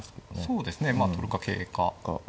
そうですねまあ取るか桂か。